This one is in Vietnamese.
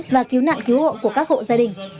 và cứu nạn cứu hộ của các hộ gia đình